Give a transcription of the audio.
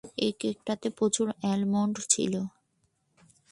এই কেকটাতে প্রচুর অ্যালমন্ড ছিল।